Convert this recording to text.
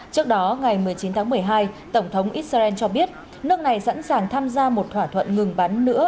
trước đó ngày một mươi chín tháng một mươi hai tổng thống israel cho biết nước này sẵn sàng tham gia một thỏa thuận ngừng bắn nữa